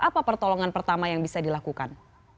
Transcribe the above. apa pertolongan pertama yang bisa dilakukan